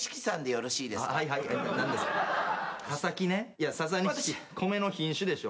いやササニシキ米の品種でしょ。